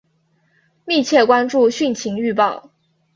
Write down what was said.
密切关注汛情预报